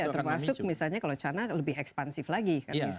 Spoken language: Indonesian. terutama kalau china lebih ekspansif lagi